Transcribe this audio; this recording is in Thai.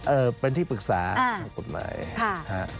เออเป็นที่ปรึกษาทางกฎหมาย